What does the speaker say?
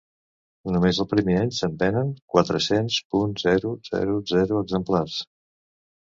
Només el primer any se'n venen quatre-cents.zero zero zero exemplars.